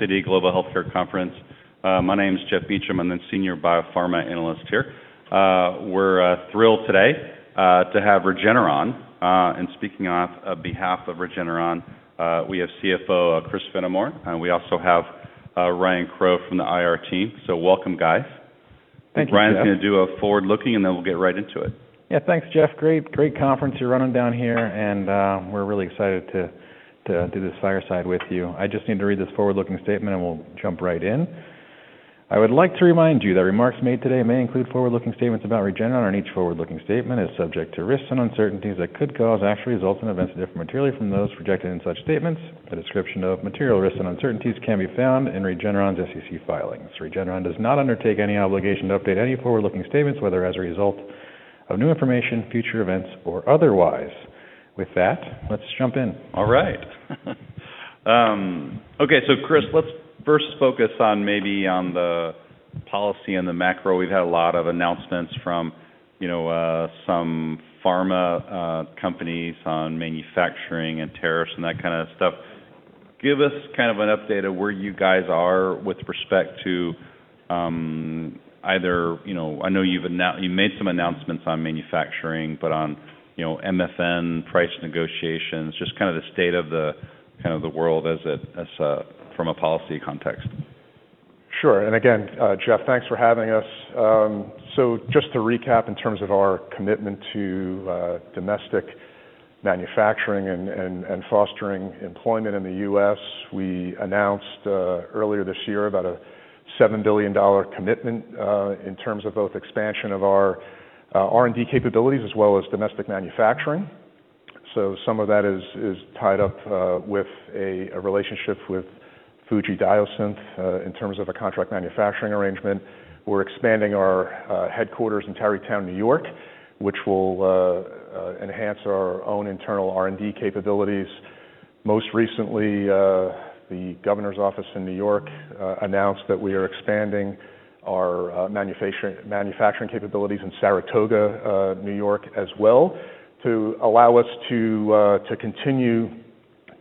Citi Global Healthcare Conference. My name's Jeff Beach. I'm the senior biopharma analyst here. We're thrilled today to have Regeneron, and speaking on behalf of Regeneron, we have CFO Chris Fenimore, and we also have Ryan Crowe from the IR team, so welcome, guys. Thank you, Jeff. Ryan's gonna do a forward-looking, and then we'll get right into it. Yeah, thanks, Jeff. Great, great conference you're running down here, and we're really excited to, to do this fireside with you. I just need to read this forward-looking statement, and we'll jump right in. I would like to remind you that remarks made today may include forward-looking statements about Regeneron, and each forward-looking statement is subject to risks and uncertainties that could cause actual results and events to differ materially from those projected in such statements. A description of material risks and uncertainties can be found in Regeneron's SEC filings. Regeneron does not undertake any obligation to update any forward-looking statements, whether as a result of new information, future events, or otherwise. With that, let's jump in. All right. Okay, so Chris, let's first focus on maybe on the policy and the macro. We've had a lot of announcements from, you know, some pharma companies on manufacturing and tariffs and that kind of stuff. Give us kind of an update of where you guys are with respect to, either, you know, I know you've announced you made some announcements on manufacturing, but on, you know, MFN price negotiations, just kind of the state of the world as it is from a policy context. Sure. And again, Jeff, thanks for having us. So just to recap in terms of our commitment to domestic manufacturing and fostering employment in the U.S., we announced earlier this year about a $7 billion commitment in terms of both expansion of our R&D capabilities as well as domestic manufacturing. So some of that is tied up with a relationship with FUJIFILM Diosynth Biotechnologies in terms of a contract manufacturing arrangement. We're expanding our headquarters in Tarrytown, New York, which will enhance our own internal R&D capabilities. Most recently, the governor's office in New York announced that we are expanding our manufacturing capabilities in Saratoga, New York as well to allow us to continue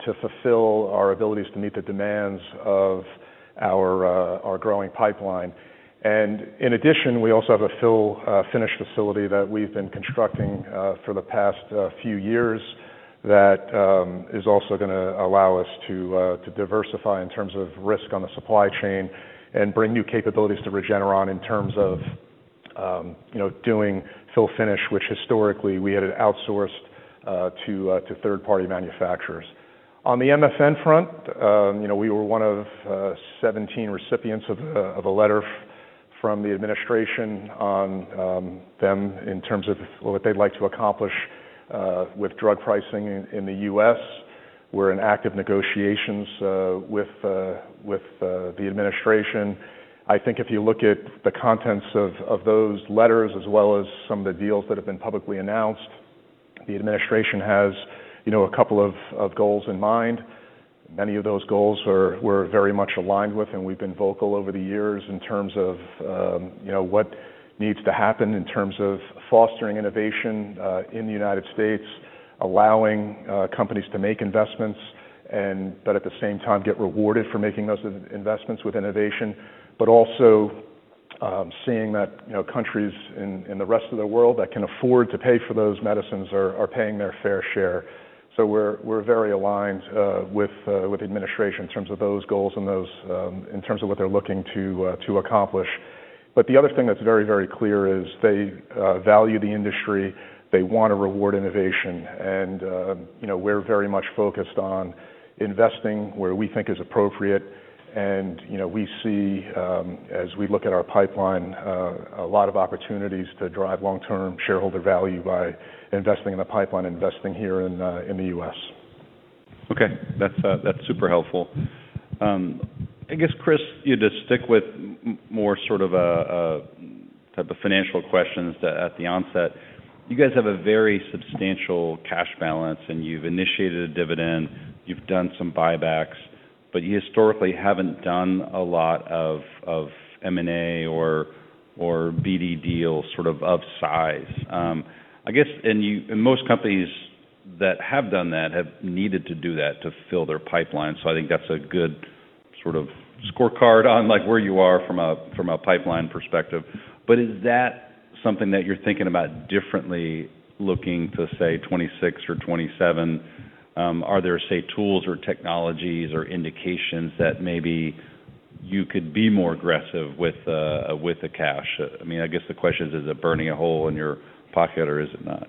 to fulfill our abilities to meet the demands of our growing pipeline. And in addition, we also have a fill finish facility that we've been constructing for the past few years that is also gonna allow us to diversify in terms of risk on the supply chain and bring new capabilities to Regeneron in terms of you know doing fill finish, which historically we had outsourced to third-party manufacturers. On the MFN front, you know, we were one of 17 recipients of a letter from the administration on them in terms of what they'd like to accomplish with drug pricing in the U.S. We're in active negotiations with the administration. I think if you look at the contents of those letters as well as some of the deals that have been publicly announced, the administration has you know a couple of goals in mind. Many of those goals are we're very much aligned with, and we've been vocal over the years in terms of, you know, what needs to happen in terms of fostering innovation in the United States, allowing companies to make investments and, but at the same time get rewarded for making those investments with innovation, but also seeing that, you know, countries in the rest of the world that can afford to pay for those medicines are paying their fair share. So we're very aligned with the administration in terms of those goals and those in terms of what they're looking to accomplish. But the other thing that's very, very clear is they value the industry. They wanna reward innovation. And, you know, we're very much focused on investing where we think is appropriate. You know, we see, as we look at our pipeline, a lot of opportunities to drive long-term shareholder value by investing in the pipeline and investing here in, in the U.S. Okay. That's super helpful. I guess, Chris, you know, to stick with more sort of a type of financial questions that at the onset, you guys have a very substantial cash balance, and you've initiated a dividend, you've done some buybacks, but you historically haven't done a lot of M&A or BD deals sort of of size. I guess, and you and most companies that have done that have needed to do that to fill their pipeline. So I think that's a good sort of scorecard on, like, where you are from a pipeline perspective. But is that something that you're thinking about differently looking to, say, 2026 or 2027? Are there, say, tools or technologies or indications that maybe you could be more aggressive with the cash? I mean, I guess the question is, is it burning a hole in your pocket or is it not?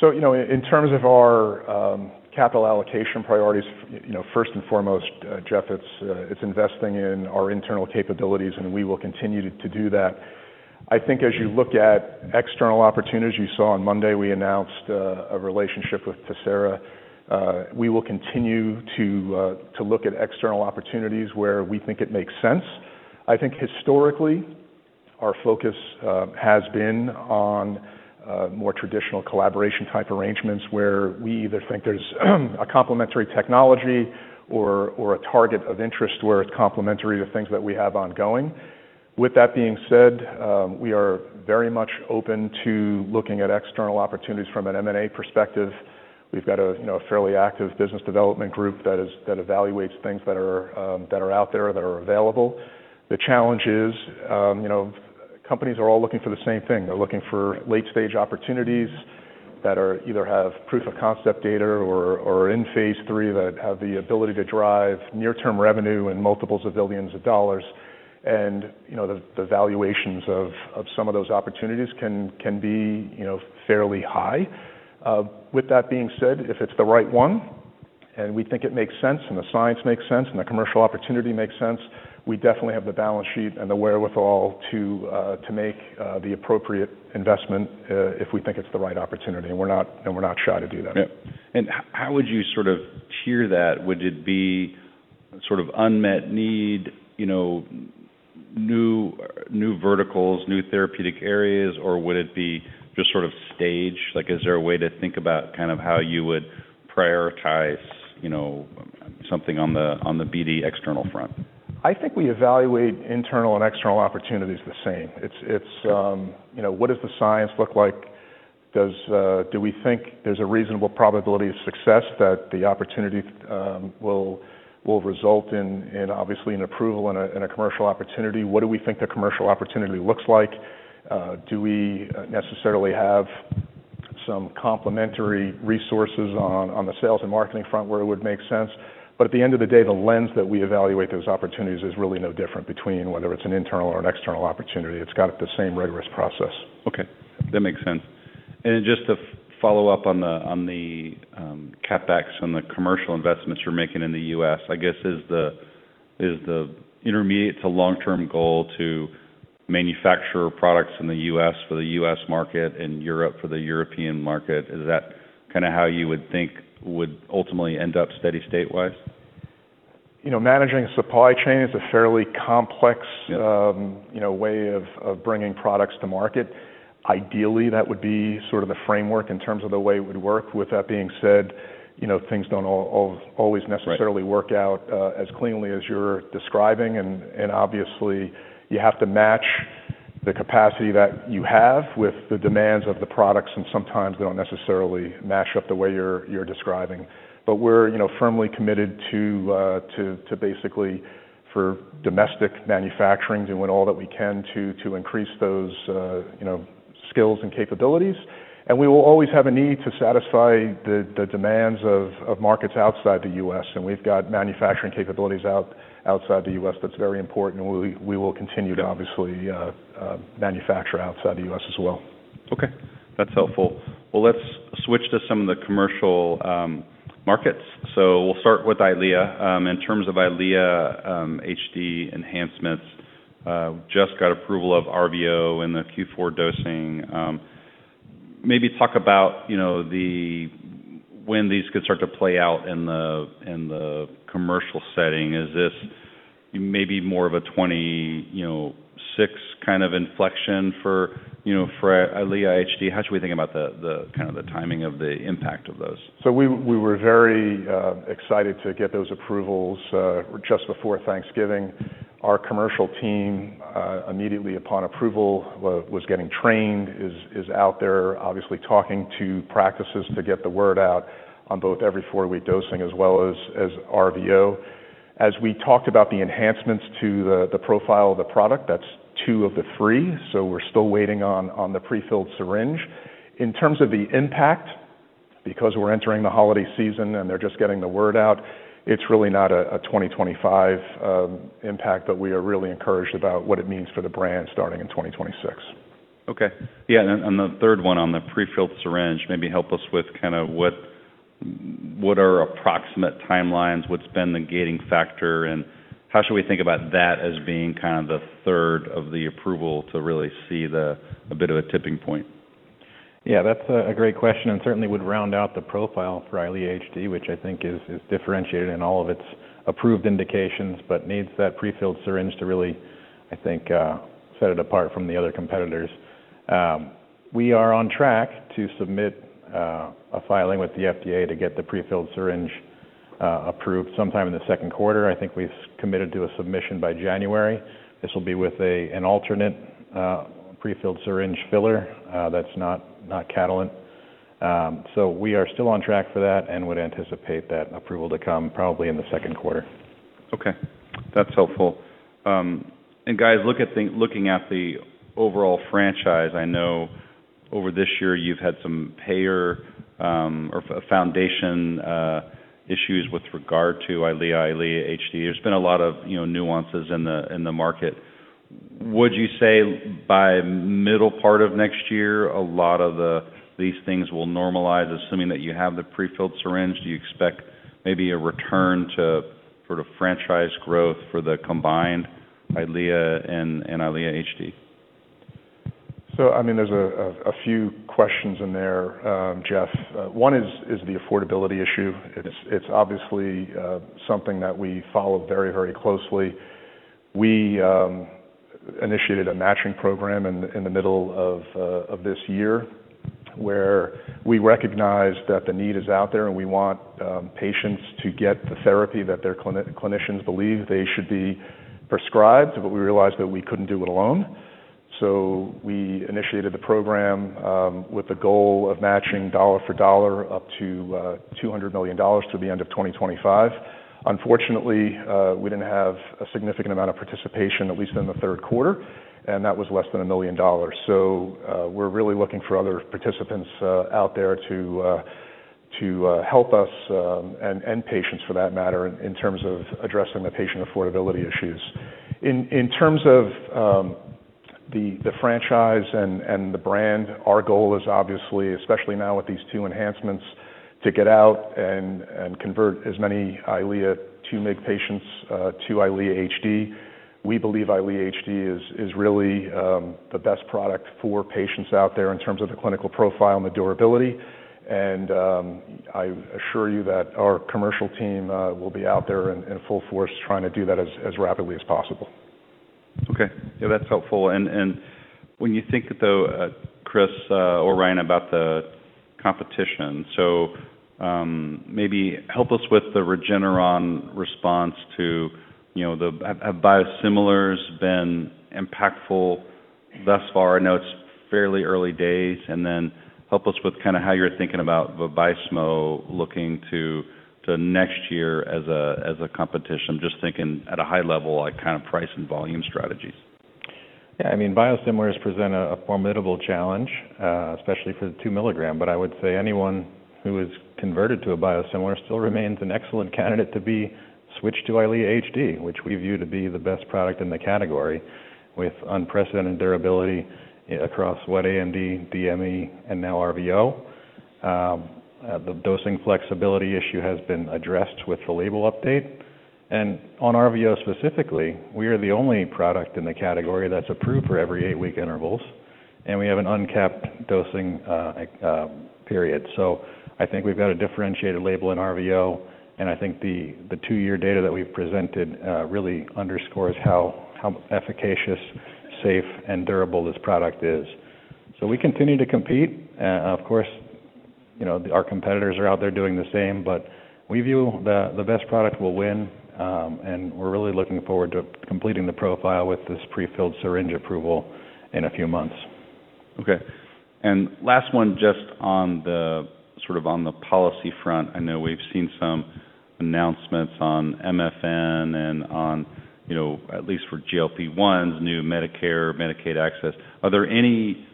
So, you know, in terms of our capital allocation priorities, you know, first and foremost, Jeff, it's investing in our internal capabilities, and we will continue to do that. I think as you look at external opportunities, you saw on Monday we announced a relationship with Tessera. We will continue to look at external opportunities where we think it makes sense. I think historically our focus has been on more traditional collaboration-type arrangements where we either think there's a complementary technology or a target of interest where it's complementary to things that we have ongoing. With that being said, we are very much open to looking at external opportunities from an M&A perspective. We've got, you know, a fairly active business development group that evaluates things that are out there that are available. The challenge is, you know, companies are all looking for the same thing. They're looking for late-stage opportunities that either have proof of concept data or in phase three that have the ability to drive near-term revenue in multiples of billions of dollars. And, you know, the valuations of some of those opportunities can be, you know, fairly high. With that being said, if it's the right one and we think it makes sense and the science makes sense and the commercial opportunity makes sense, we definitely have the balance sheet and the wherewithal to make the appropriate investment, if we think it's the right opportunity. And we're not shy to do that. Yeah. And how would you sort of tier that? Would it be sort of unmet need, you know, new verticals, new therapeutic areas, or would it be just sort of staged? Like, is there a way to think about kind of how you would prioritize, you know, something on the BD external front? I think we evaluate internal and external opportunities the same. It's you know, what does the science look like? Do we think there's a reasonable probability of success that the opportunity will result in obviously an approval and a commercial opportunity? What do we think the commercial opportunity looks like? Do we necessarily have some complementary resources on the sales and marketing front where it would make sense? But at the end of the day, the lens that we evaluate those opportunities is really no different between whether it's an internal or an external opportunity. It's got the same rigorous process. Okay. That makes sense. And just to follow up on the CapEx and the commercial investments you're making in the U.S., I guess is the intermediate to long-term goal to manufacture products in the U.S. for the U.S. market and Europe for the European market? Is that kind of how you would think would ultimately end up steady state-wise? You know, managing supply chain is a fairly complex, you know, way of bringing products to market. Ideally, that would be sort of the framework in terms of the way it would work. With that being said, you know, things don't always necessarily work out as cleanly as you're describing, and obviously you have to match the capacity that you have with the demands of the products, and sometimes they don't necessarily match up the way you're describing, but we're, you know, firmly committed to basically for domestic manufacturing, doing all that we can to increase those, you know, skills and capabilities, and we will always have a need to satisfy the demands of markets outside the U.S. We've got manufacturing capabilities outside the U.S. That's very important, and we will continue to obviously manufacture outside the U.S. as well. Okay. That's helpful. Well, let's switch to some of the commercial markets. So we'll start with Eylea. In terms of Eylea HD enhancements, just got approval for RVO and the Q4 dosing. Maybe talk about, you know, the when these could start to play out in the commercial setting. Is this maybe more of a 2026 kind of inflection for, you know, for Eylea HD? How should we think about the kind of the timing of the impact of those? So we were very excited to get those approvals just before Thanksgiving. Our commercial team immediately upon approval was getting trained, is out there obviously talking to practices to get the word out on both every four-week dosing as well as RVO. As we talked about the enhancements to the profile of the product, that's two of the three. So we're still waiting on the prefilled syringe. In terms of the impact, because we're entering the holiday season and they're just getting the word out, it's really not a 2025 impact, but we are really encouraged about what it means for the brand starting in 2026. Okay. Yeah. And the third one on the prefilled syringe maybe help us with kind of what are approximate timelines, what's been the gating factor, and how should we think about that as being kind of the third of the approval to really see a bit of a tipping point? Yeah, that's a great question and certainly would round out the profile for Eylea HD, which I think is differentiated in all of its approved indications, but needs that prefilled syringe to really, I think, set it apart from the other competitors. We are on track to submit a filing with the FDA to get the prefilled syringe approved sometime in the second quarter. I think we've committed to a submission by January. This will be with an alternate prefilled syringe filler that's not Catalent. So we are still on track for that and would anticipate that approval to come probably in the second quarter. Okay. That's helpful. And guys, look, I think looking at the overall franchise, I know over this year you've had some payer or foundation issues with regard to Eylea, Eylea HD. There's been a lot of, you know, nuances in the market. Would you say by middle part of next year a lot of these things will normalize, assuming that you have the prefilled syringe? Do you expect maybe a return to sort of franchise growth for the combined Eylea and Eylea HD? So, I mean, there's a few questions in there, Jeff. One is the affordability issue. It's obviously something that we follow very, very closely. We initiated a matching program in the middle of this year where we recognize that the need is out there and we want patients to get the therapy that their clinicians believe they should be prescribed, but we realized that we couldn't do it alone. So we initiated the program with the goal of matching dollar for dollar up to $200 million to the end of 2025. Unfortunately, we didn't have a significant amount of participation, at least in the third quarter, and that was less than $1 million. So, we're really looking for other participants out there to help us, and patients for that matter in terms of addressing the patient affordability issues. In terms of the franchise and the brand, our goal is obviously, especially now with these two enhancements, to get out and convert as many Eylea 2 mg patients to Eylea HD. We believe Eylea HD is really the best product for patients out there in terms of the clinical profile and the durability. I assure you that our commercial team will be out there in full force trying to do that as rapidly as possible. Okay. Yeah, that's helpful. And when you think, though, Chris, or Ryan, about the competition, so maybe help us with the Regeneron response to, you know, they have biosimilars been impactful thus far? I know it's fairly early days. And then help us with kind of how you're thinking about the Vabysmo looking to next year as a competition. I'm just thinking at a high level, like kind of price and volume strategies. Yeah. I mean, biosimilars present a formidable challenge, especially for the 2 milligram. But I would say anyone who has converted to a biosimilar still remains an excellent candidate to be switched to Eylea HD, which we view to be the best product in the category with unprecedented durability across wet AMD, DME, and now RVO. The dosing flexibility issue has been addressed with the label update. And on RVO specifically, we are the only product in the category that's approved for every eight-week intervals, and we have an uncapped dosing, period. So I think we've got a differentiated label in RVO, and I think the two-year data that we've presented really underscores how efficacious, safe, and durable this product is. So we continue to compete. Of course, you know, our competitors are out there doing the same, but we view the best product will win. And we're really looking forward to completing the profile with this prefilled syringe approval in a few months. Okay. And last one, just on the sort of on the policy front, I know we've seen some announcements on MFN and on, you know, at least for GLP-1s, new Medicare, Medicaid access. Are there any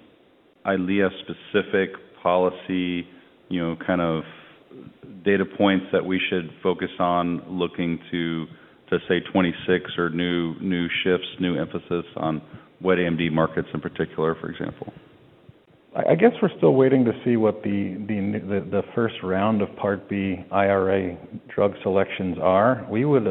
Eylea-specific policy, you know, kind of data points that we should focus on looking to, to say 2026 or new, new shifts, new emphasis on wet AMD markets in particular, for example? I guess we're still waiting to see what the first round of Part B IRA drug selections are. We would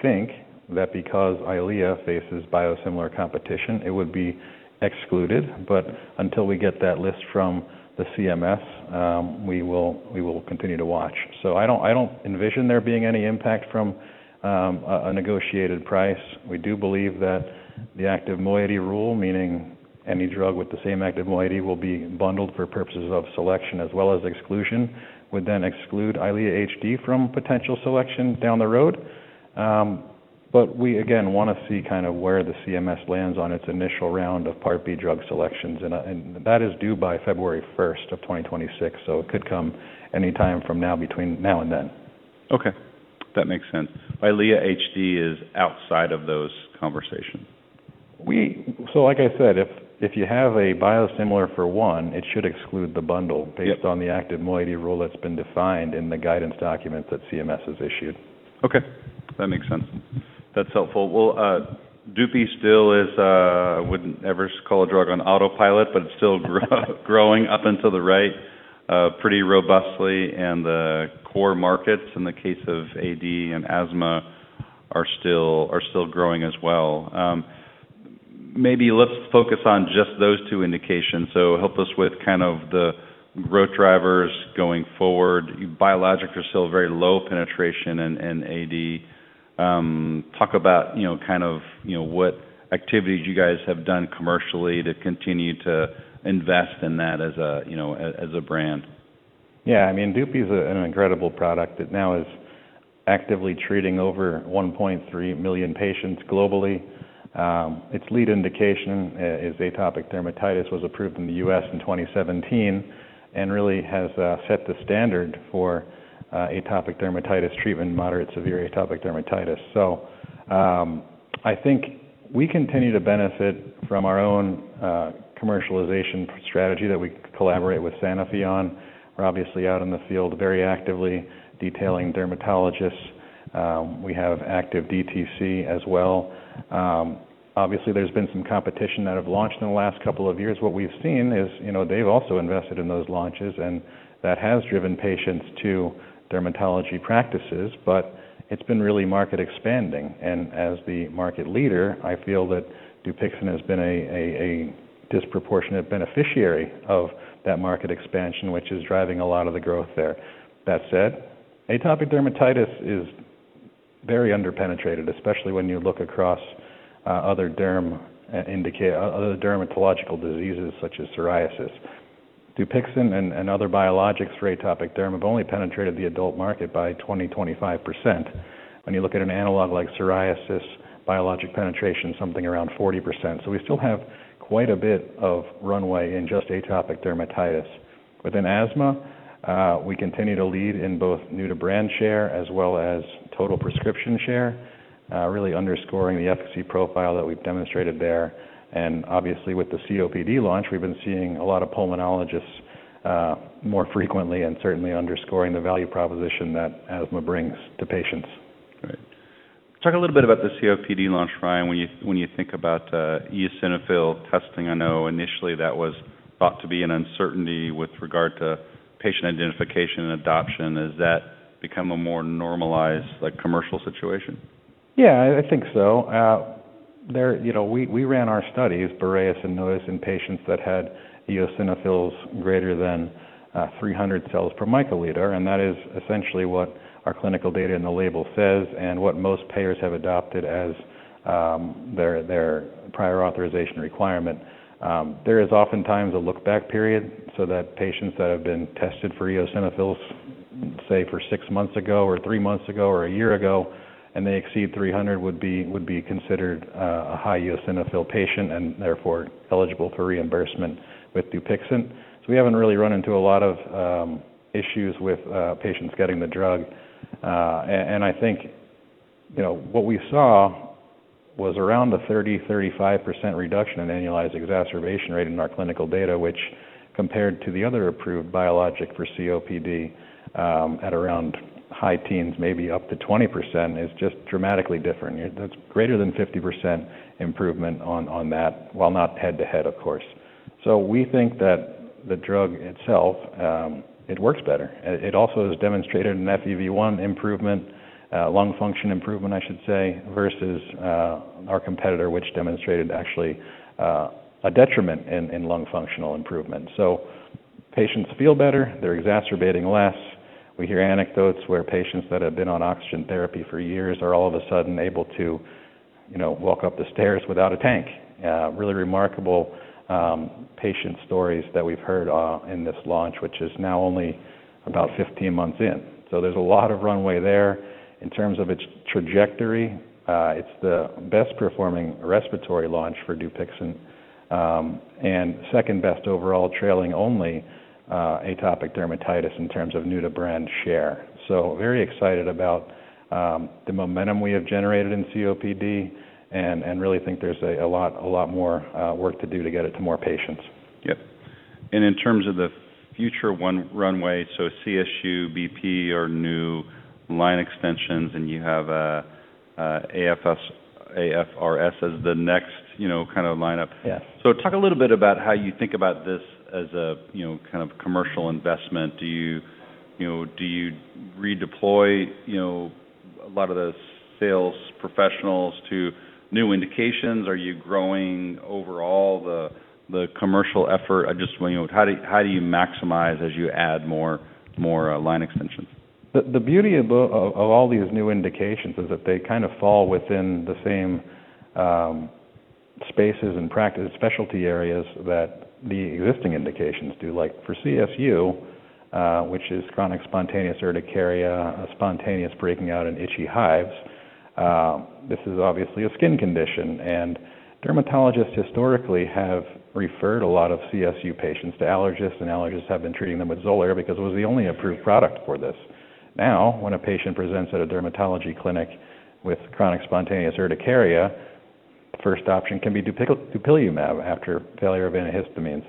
think that because Eylea faces biosimilar competition, it would be excluded. But until we get that list from the CMS, we will continue to watch. So I don't envision there being any impact from a negotiated price. We do believe that the active moiety rule, meaning any drug with the same active moiety will be bundled for purposes of selection as well as exclusion, would then exclude Eylea HD from potential selection down the road. But we again want to see kind of where the CMS lands on its initial round of Part B drug selections. And that is due by February 1st of 2026, so it could come anytime from now between now and then. Okay. That makes sense. Eylea HD is outside of those conversations. So, like I said, if you have a biosimilar for one, it should exclude the bundle based on the active moiety rule that's been defined in the guidance document that CMS has issued. Okay. That makes sense. That's helpful. Well, Dupixent still is, wouldn't ever call a drug on autopilot, but it's still growing up and to the right, pretty robustly. And the core markets in the case of AD and asthma are still growing as well. Maybe let's focus on just those two indications. So help us with kind of the growth drivers going forward. Biologics are still very low penetration in AD. Talk about, you know, kind of, you know, what activities you guys have done commercially to continue to invest in that as a, you know, a as a brand. Yeah. I mean, Dupixent's an incredible product that now is actively treating over 1.3 million patients globally. Its lead indication, atopic dermatitis, was approved in the U.S. in 2017 and really has set the standard for atopic dermatitis treatment, moderate to severe atopic dermatitis. So, I think we continue to benefit from our own commercialization strategy that we collaborate with Sanofi on. We're obviously out in the field very actively detailing dermatologists. We have active DTC as well. Obviously, there's been some competition that have launched in the last couple of years. What we've seen is, you know, they've also invested in those launches, and that has driven patients to dermatology practices, but it's been really market expanding, and as the market leader, I feel that Dupixent has been a disproportionate beneficiary of that market expansion, which is driving a lot of the growth there. That said, atopic dermatitis is very underpenetrated, especially when you look across other dermatological diseases such as psoriasis. Dupixent and other biologics for atopic derm have only penetrated the adult market by 20%-25%. When you look at an analog like psoriasis, biologic penetration is something around 40%. So we still have quite a bit of runway in just atopic dermatitis. Within asthma, we continue to lead in both new-to-brand share as well as total prescription share, really underscoring the efficacy profile that we've demonstrated there. And obviously, with the COPD launch, we've been seeing a lot of pulmonologists more frequently and certainly underscoring the value proposition that asthma brings to patients. Right. Talk a little bit about the COPD launch, Ryan, when you think about eosinophil testing. I know initially that was thought to be an uncertainty with regard to patient identification and adoption. Has that become a more normalized, like, commercial situation? Yeah, I think so. There, you know, we ran our studies, Boreas and Notus, in patients that had eosinophils greater than 300 cells per microliter. And that is essentially what our clinical data in the label says and what most payers have adopted as their prior authorization requirement. There is oftentimes a look-back period so that patients that have been tested for eosinophils, say, for six months ago or three months ago or a year ago, and they exceed 300 would be considered a high eosinophil patient and therefore eligible for reimbursement with Dupixent. So we haven't really run into a lot of issues with patients getting the drug. I think, you know, what we saw was around a 30-35% reduction in annualized exacerbation rate in our clinical data, which compared to the other approved biologic for COPD, at around high teens, maybe up to 20%, is just dramatically different. That's greater than 50% improvement on that, while not head-to-head, of course. So we think that the drug itself, it works better. It also has demonstrated an FEV1 improvement, lung function improvement, I should say, versus our competitor, which demonstrated actually a detriment in lung functional improvement. So patients feel better. They're exacerbating less. We hear anecdotes where patients that have been on oxygen therapy for years are all of a sudden able to, you know, walk up the stairs without a tank. Really remarkable patient stories that we've heard in this launch, which is now only about 15 months in. So there's a lot of runway there. In terms of its trajectory, it's the best-performing respiratory launch for Dupixent, and second-best overall trailing only atopic dermatitis in terms of new-to-brand share. So very excited about the momentum we have generated in COPD and really think there's a lot more work to do to get it to more patients. Yep. And in terms of the future long runway, so CSU, BP, or new line extensions, and you have AFRS as the next, you know, kind of lineup. Yeah. So talk a little bit about how you think about this as a, you know, kind of commercial investment. Do you, you know, redeploy, you know, a lot of the sales professionals to new indications? Are you growing overall the commercial effort? I just want to know how do you maximize as you add more line extensions? The beauty of all these new indications is that they kind of fall within the same spaces and practice specialty areas that the existing indications do. Like for CSU, which is chronic spontaneous urticaria, spontaneous breaking out in itchy hives, this is obviously a skin condition, and dermatologists historically have referred a lot of CSU patients to allergists, and allergists have been treating them with Xolair because it was the only approved product for this. Now, when a patient presents at a dermatology clinic with chronic spontaneous urticaria, the first option can be Dupixent after failure of antihistamines,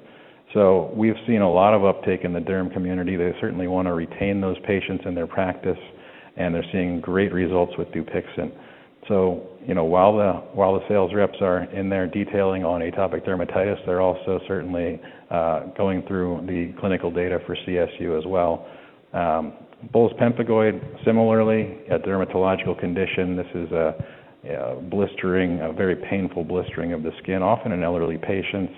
so we've seen a lot of uptake in the derm community. They certainly want to retain those patients in their practice, and they're seeing great results with Dupixent. So, you know, while the sales reps are in there detailing on atopic dermatitis, they're also certainly going through the clinical data for CSU as well. Bullous pemphigoid, similarly, a dermatological condition. This is a blistering, a very painful blistering of the skin, often in elderly patients.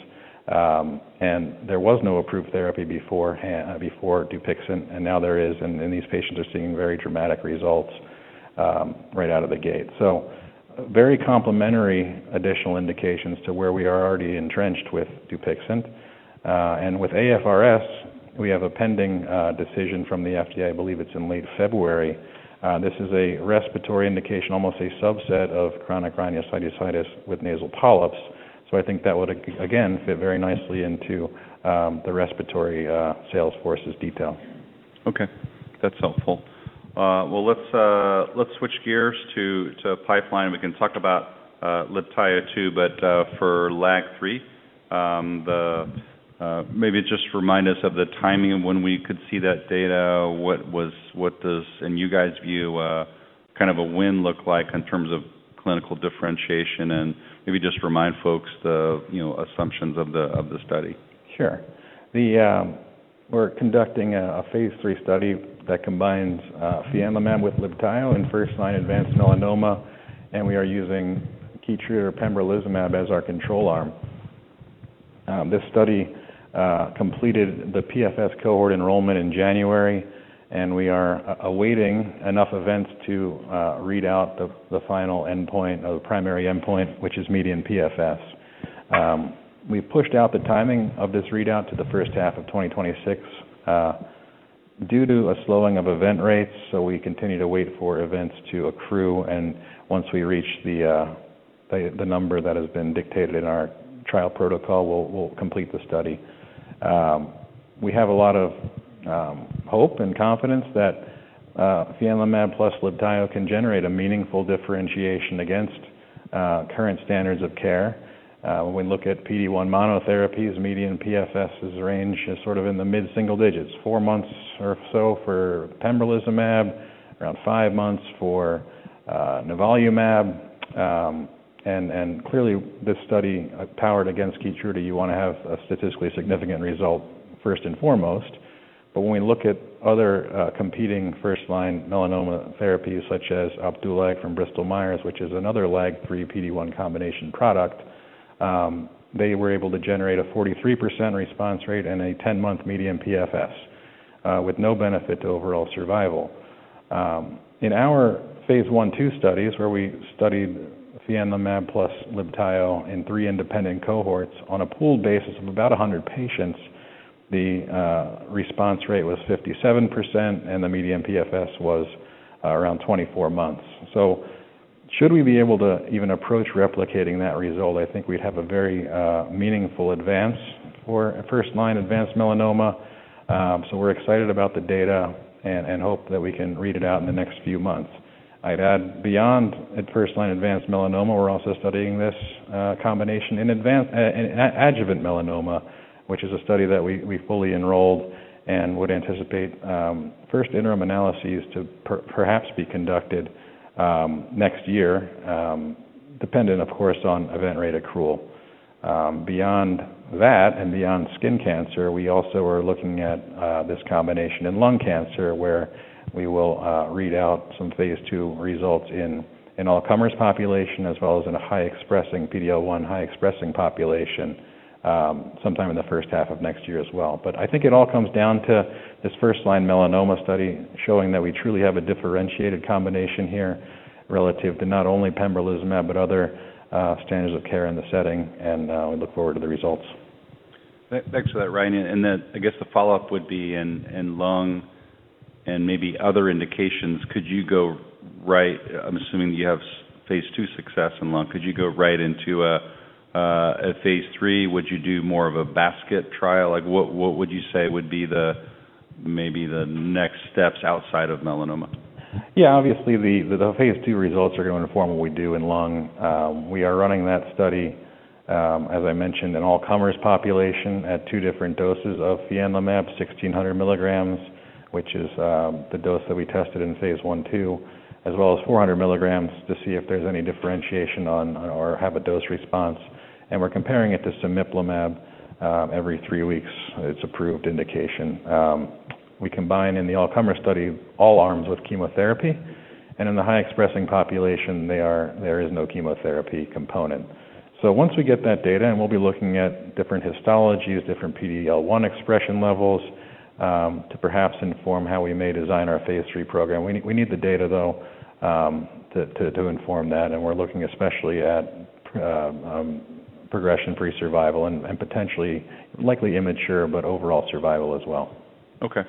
And there was no approved therapy before Dupixent, and now there is. And these patients are seeing very dramatic results, right out of the gate. So very complementary additional indications to where we are already entrenched with Dupixent. And with AFRS, we have a pending decision from the FDA. I believe it's in late February. This is a respiratory indication, almost a subset of chronic rhinosinusitis with nasal polyps. So I think that would again fit very nicely into the respiratory sales forces detail. Okay. That's helpful. Well, let's switch gears to pipeline. We can talk about Libtayo too, but for LAG-3, maybe just remind us of the timing of when we could see that data, what does in you guys' view kind of a win look like in terms of clinical differentiation and maybe just remind folks the, you know, assumptions of the study. Sure. We're conducting a phase 3 study that combines fianlimab with Libtayo in first-line advanced melanoma, and we are using Keytruda or pembrolizumab as our control arm. This study completed the PFS cohort enrollment in January, and we are awaiting enough events to read out the final endpoint or the primary endpoint, which is median PFS. We pushed out the timing of this readout to the first half of 2026, due to a slowing of event rates. We continue to wait for events to accrue. Once we reach the number that has been dictated in our trial protocol, we'll complete the study. We have a lot of hope and confidence that fianlimab plus Libtayo can generate a meaningful differentiation against current standards of care. When we look at PD-1 monotherapies, median PFSs range is sort of in the mid-single digits, four months or so for Pembrolizumab, around five months for Nivolumab. And clearly, this study, powered against Keytruda, you want to have a statistically significant result first and foremost. But when we look at other competing first-line melanoma therapies such as Opdualag from Bristol Myers Squibb, which is another LAG-3 PD-1 combination product, they were able to generate a 43% response rate and a 10-month median PFS, with no benefit to overall survival. In our phase one two studies where we studied fianlimab plus Libtayo in three independent cohorts on a pooled basis of about 100 patients, the response rate was 57%, and the median PFS was around 24 months. So should we be able to even approach replicating that result, I think we'd have a very meaningful advance for first-line advanced melanoma. So we're excited about the data and hope that we can read it out in the next few months. I'd add, beyond first-line advanced melanoma, we're also studying this combination in adjuvant melanoma, which is a study that we fully enrolled and would anticipate first interim analyses to perhaps be conducted next year, dependent, of course, on event rate accrual. Beyond that and beyond skin cancer, we also are looking at this combination in lung cancer where we will read out some phase 2 results in all-comers population as well as in a PD-L1 high-expressing population, sometime in the first half of next year as well. But I think it all comes down to this first-line melanoma study showing that we truly have a differentiated combination here relative to not only pembrolizumab but other standards of care in the setting. We look forward to the results. Thanks for that, Ryan. And then I guess the follow-up would be in lung and maybe other indications. Could you go right? I'm assuming you have phase two success in lung. Could you go right into a phase three? Would you do more of a basket trial? Like, what would you say would be maybe the next steps outside of melanoma? Yeah, obviously, the phase 2 results are going to inform what we do in lung. We are running that study, as I mentioned, in all-comers population at two different doses of fianlimab, 1,600 milligrams, which is the dose that we tested in phase 1/2, as well as 400 milligrams to see if there's any differentiation on or have a dose response. And we're comparing it to cemiplimab, every three weeks. It's approved indication. We combine in the all-comer study all arms with chemotherapy. And in the high-expressing population, there is no chemotherapy component. So once we get that data, and we'll be looking at different histologies, different PD-L1 expression levels, to perhaps inform how we may design our phase 3 program. We need the data, though, to inform that. We're looking especially at progression-free survival and potentially likely immature but overall survival as well. Okay.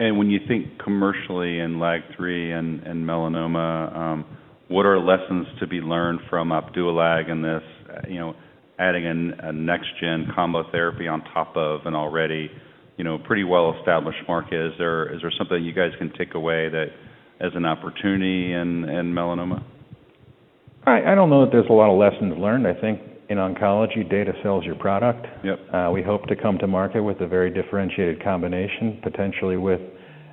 And when you think commercially in LAG-3 and melanoma, what are lessons to be learned from Opdualag in this, you know, adding a next-gen combo therapy on top of an already, you know, pretty well-established market? Is there something you guys can take away that as an opportunity in melanoma? I don't know that there's a lot of lessons learned. I think in oncology, data sells your product. Yep. We hope to come to market with a very differentiated combination, potentially with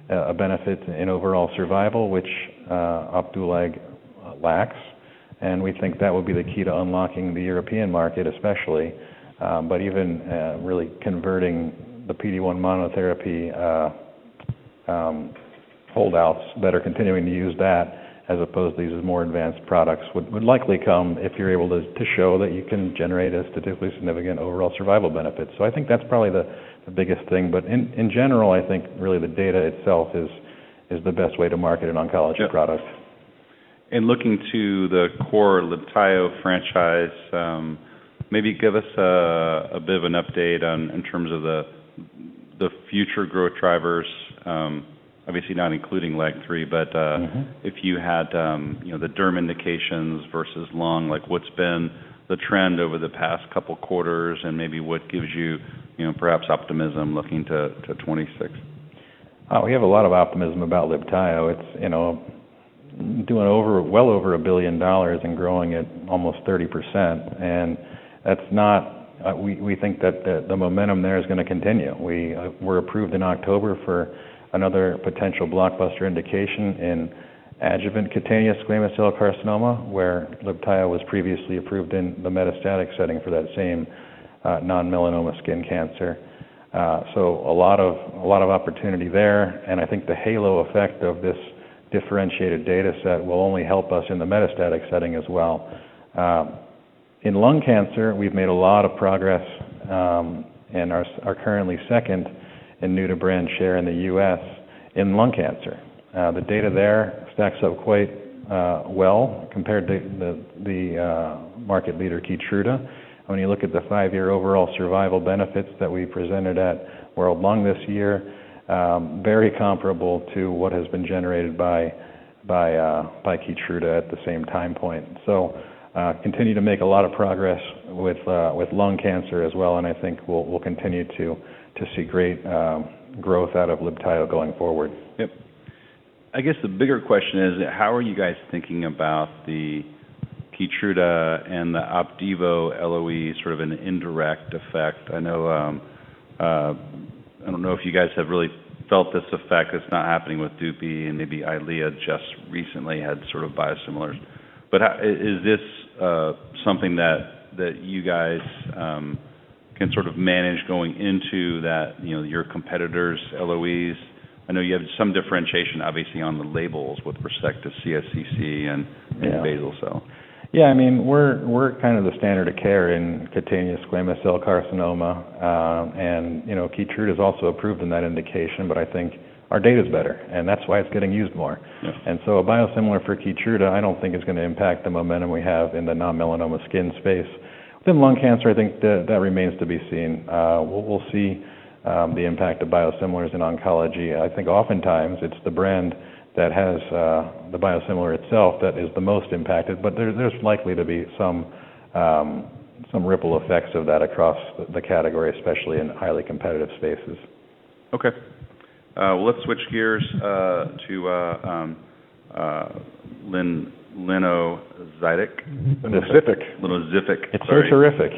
a benefit in overall survival, which Opdualag lacks, and we think that would be the key to unlocking the European market, especially but even really converting the PD-1 monotherapy holdouts that are continuing to use that as opposed to these more advanced products would likely come if you're able to show that you can generate a statistically significant overall survival benefit, so I think that's probably the biggest thing, but in general I think really the data itself is the best way to market an oncology product. Yep. And looking to the core Libtayo franchise, maybe give us a bit of an update on, in terms of the future growth drivers, obviously not including LAG-3, but. Mm-hmm. If you had, you know, the derm indications versus lung, like, what's been the trend over the past couple quarters and maybe what gives you, you know, perhaps optimism looking to 2026? Oh, we have a lot of optimism about Libtayo. It's, you know, doing well over $1 billion and growing at almost 30%. We think that the momentum there is going to continue. We were approved in October for another potential blockbuster indication in adjuvant cutaneous squamous cell carcinoma where Libtayo was previously approved in the metastatic setting for that same non-melanoma skin cancer. So a lot of opportunity there. And I think the halo effect of this differentiated data set will only help us in the metastatic setting as well. In lung cancer, we've made a lot of progress, and are currently second in new-to-brand share in the U.S. in lung cancer. The data there stacks up quite well compared to the market leader, Keytruda. When you look at the five-year overall survival benefits that we presented at World Lung this year, very comparable to what has been generated by Keytruda at the same time point. Continue to make a lot of progress with lung cancer as well. I think we'll continue to see great growth out of Libtayo going forward. Yep. I guess the bigger question is, how are you guys thinking about the Keytruda and the Opdivo LOE, sort of an indirect effect? I know, I don't know if you guys have really felt this effect that's not happening with Dupixent, and maybe Eylea just recently had sort of biosimilars. But how is this something that you guys can sort of manage going into that, you know, your competitors' LOEs? I know you have some differentiation, obviously, on the labels with respect to CSCC and basal cell. Yeah. Yeah, I mean, we're kind of the standard of care in cutaneous squamous cell carcinoma, and, you know, Keytruda is also approved in that indication, but I think our data's better, and that's why it's getting used more. Yep. A biosimilar for Keytruda, I don't think is going to impact the momentum we have in the non-melanoma skin space. Within lung cancer, I think that remains to be seen. We'll see the impact of biosimilars in oncology. I think oftentimes it's the brand that has the biosimilar itself that is the most impacted. But there's likely to be some ripple effects of that across the category, especially in highly competitive spaces. Okay, well, let's switch gears to Linvoseltamab. Linno Ziffick. Linno Ziffick. It's doing terrific.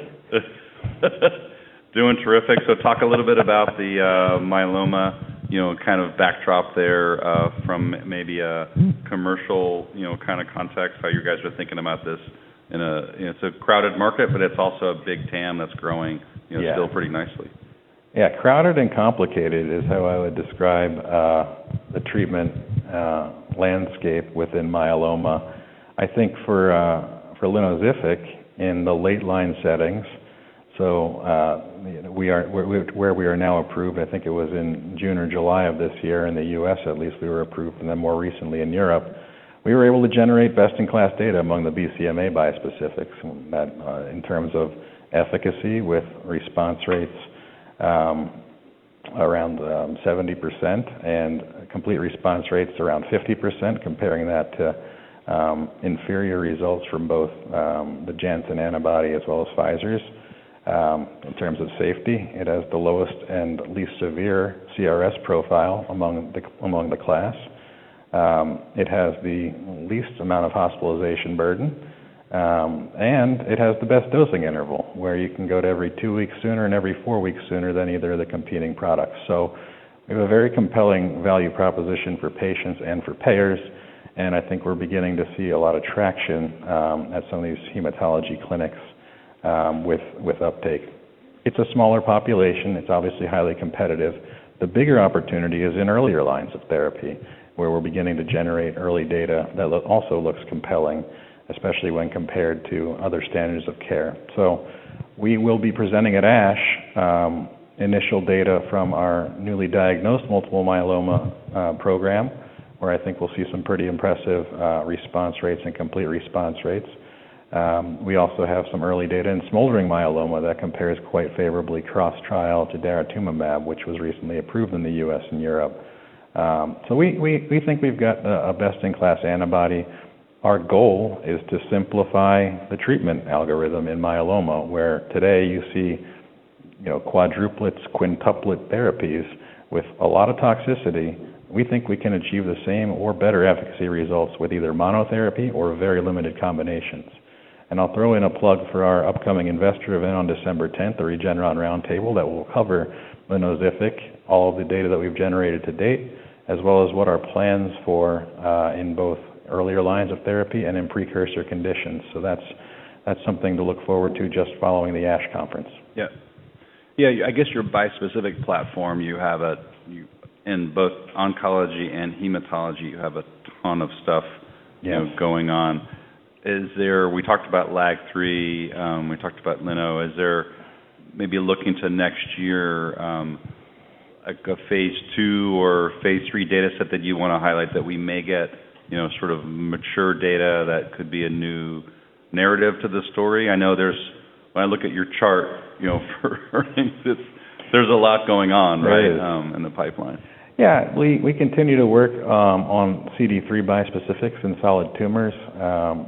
Doing terrific. So talk a little bit about the myeloma, you know, kind of backdrop there, from maybe a commercial, you know, kind of context, how you guys are thinking about this in a, you know, it's a crowded market, but it's also a big TAM that's growing, you know, still pretty nicely? Yeah. Yeah, crowded and complicated is how I would describe the treatment landscape within myeloma. I think for Linvoseltamab in the late-line settings, so we are where we are now approved. I think it was in June or July of this year in the US, at least, we were approved. And then more recently in Europe, we were able to generate best-in-class data among the BCMA bispecifics that in terms of efficacy with response rates around 70% and complete response rates around 50%, comparing that to inferior results from both the Janssen antibody as well as Pfizer's. In terms of safety, it has the lowest and least severe CRS profile among the class. It has the least amount of hospitalization burden, and it has the best dosing interval where you can go to every two weeks sooner and every four weeks sooner than either of the competing products. So we have a very compelling value proposition for patients and for payers. And I think we're beginning to see a lot of traction at some of these hematology clinics with uptake. It's a smaller population. It's obviously highly competitive. The bigger opportunity is in earlier lines of therapy where we're beginning to generate early data that also looks compelling, especially when compared to other standards of care. So we will be presenting at ASH initial data from our newly diagnosed multiple myeloma program where I think we'll see some pretty impressive response rates and complete response rates. We also have some early data in smoldering myeloma that compares quite favorably cross-trial to daratumumab, which was recently approved in the US and Europe. So we think we've got a best-in-class antibody. Our goal is to simplify the treatment algorithm in myeloma where today you see, you know, quadruplets, quintuplet therapies with a lot of toxicity. We think we can achieve the same or better efficacy results with either monotherapy or very limited combinations. And I'll throw in a plug for our upcoming investor event on December 10th, the Regeneron Roundtable, that will cover Linvoseltamab, all of the data that we've generated to date, as well as what our plans for, in both earlier lines of therapy and in precursor conditions. So that's something to look forward to just following the ASH conference. Yeah. Yeah, I guess your bispecific platform, you have a, you in both oncology and hematology, you have a ton of stuff. Yeah. You know, going on. Is there we talked about LAG-3. We talked about Lino. Is there maybe looking to next year, a phase two or phase three data set that you want to highlight that we may get, you know, sort of mature data that could be a new narrative to the story? I know there's, when I look at your chart, you know, for earnings, there's a lot going on, right? It is. in the pipeline. Yeah, we continue to work on CD3 bispecifics in solid tumors.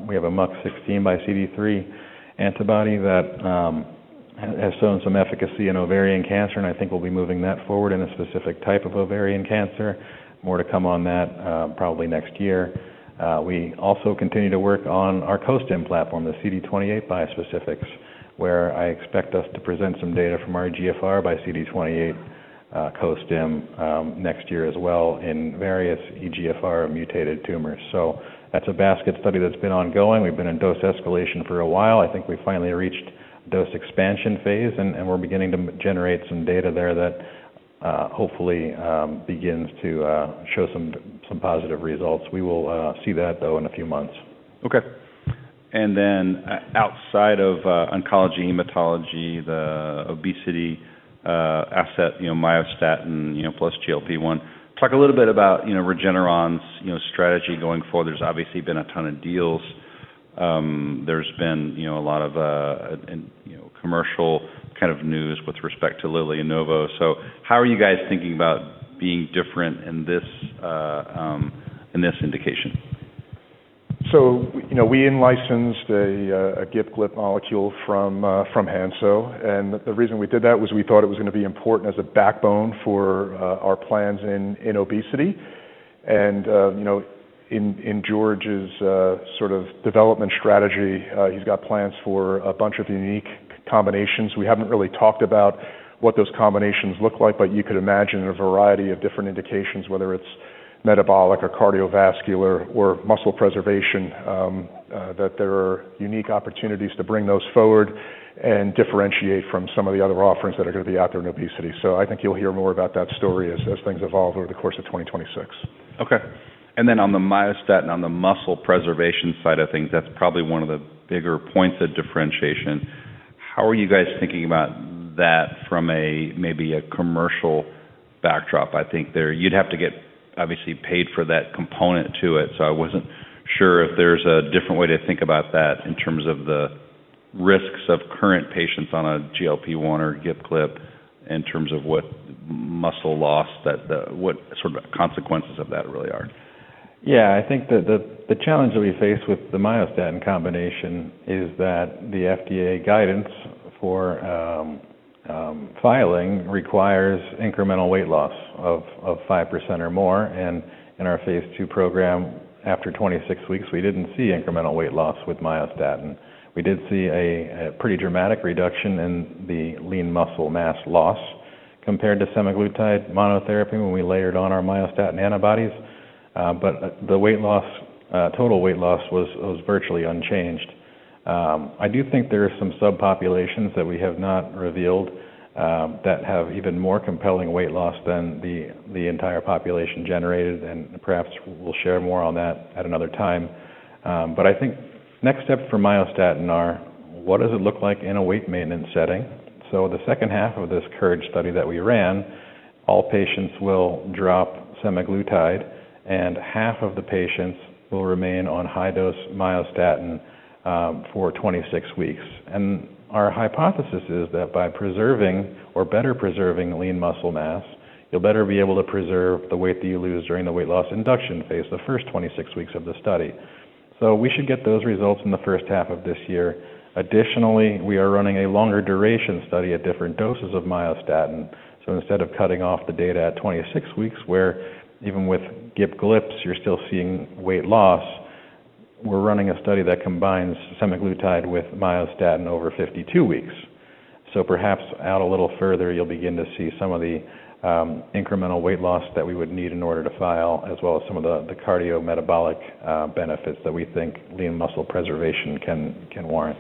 We have a MUC16 by CD3 antibody that has shown some efficacy in ovarian cancer. And I think we'll be moving that forward in a specific type of ovarian cancer, more to come on that, probably next year. We also continue to work on our CoSTIM platform, the CD28 bispecifics, where I expect us to present some data from our EGFR by CD28 CoSTIM next year as well in various EGFR mutated tumors. So that's a basket study that's been ongoing. We've been in dose escalation for a while. I think we finally reached dose expansion phase, and we're beginning to generate some data there that hopefully begins to show some positive results. We will see that, though, in a few months. Okay. And then, outside of oncology, hematology, the obesity asset, you know, myostatin, you know, plus GLP-1, talk a little bit about, you know, Regeneron's, you know, strategy going forward. There's obviously been a ton of deals. There's been, you know, a lot of, you know, commercial kind of news with respect to Linvoseltamab. So how are you guys thinking about being different in this, in this indication? You know, we in-licensed a GIP/GLP-1 molecule from Hansoh. And the reason we did that was we thought it was going to be important as a backbone for our plans in obesity. And, you know, in George's sort of development strategy, he's got plans for a bunch of unique combinations. We haven't really talked about what those combinations look like, but you could imagine a variety of different indications, whether it's metabolic or cardiovascular or muscle preservation, that there are unique opportunities to bring those forward and differentiate from some of the other offerings that are going to be out there in obesity. So I think you'll hear more about that story as things evolve over the course of 2026. Okay. And then on the myostatin, on the muscle preservation side of things, that's probably one of the bigger points of differentiation. How are you guys thinking about that from a maybe a commercial backdrop? I think there you'd have to get obviously paid for that component to it. So I wasn't sure if there's a different way to think about that in terms of the risks of current patients on a GLP-1 or GIP/GLP-1 in terms of what muscle loss that what sort of consequences of that really are. Yeah, I think that the challenge that we face with the myostatin combination is that the FDA guidance for filing requires incremental weight loss of 5% or more, and in our phase 2 program, after 26 weeks, we didn't see incremental weight loss with myostatin. We did see a pretty dramatic reduction in the lean muscle mass loss compared to Semaglutide monotherapy when we layered on our myostatin antibodies, but the weight loss, total weight loss was virtually unchanged. I do think there are some subpopulations that we have not revealed, that have even more compelling weight loss than the entire population generated, and perhaps we'll share more on that at another time, but I think next steps for myostatin are, what does it look like in a weight maintenance setting? So the second half of this CURGE study that we ran, all patients will drop semaglutide, and half of the patients will remain on high-dose myostatin, for 26 weeks. And our hypothesis is that by preserving or better preserving lean muscle mass, you'll better be able to preserve the weight that you lose during the weight loss induction phase, the first 26 weeks of the study. So we should get those results in the first half of this year. Additionally, we are running a longer duration study at different doses of myostatin. So instead of cutting off the data at 26 weeks, where even with GIPGLIPs, you're still seeing weight loss, we're running a study that combines semaglutide with myostatin over 52 weeks. So perhaps out a little further, you'll begin to see some of the incremental weight loss that we would need in order to file, as well as some of the the cardiometabolic benefits that we think lean muscle preservation can warrant.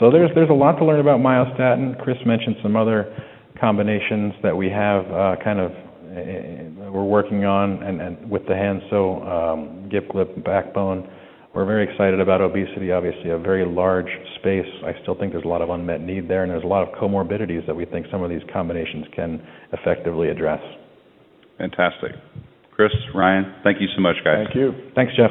So there's a lot to learn about myostatin. Chris mentioned some other combinations that we have, kind of, we're working on and with the Hansoh GIP/GLP-1 backbone. We're very excited about obesity, obviously a very large space. I still think there's a lot of unmet need there, and there's a lot of comorbidities that we think some of these combinations can effectively address. Fantastic. Chris, Ryan, thank you so much, guys. Thank you. Thanks, Jeff.